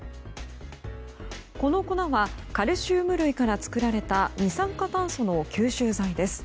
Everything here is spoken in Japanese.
この粉はカルシウム類から作られた二酸化炭素の吸収材です。